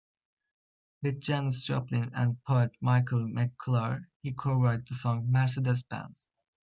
With Janis Joplin and poet Michael McClure, he co-wrote the song "Mercedes Benz".